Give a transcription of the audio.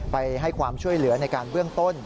ไปให้ความช่วยเหลือในการเบื้องต้น